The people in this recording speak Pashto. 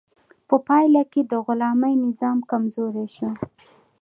په پایله کې د غلامي نظام کمزوری شو.